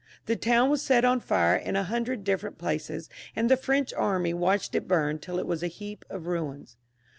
The town was set on fire in a hundred different places, and the French army watched it bum till it was a heap of ruins.